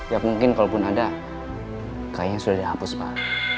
ya mungkin kalau pun ada kayaknya sudah dihapus pak